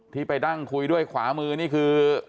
ที่ไปนั่งคุยด้วยขวามือนี่คือ